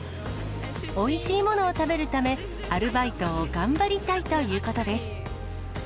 おいしいものを食べるため、アルバイトを頑張りたいということです。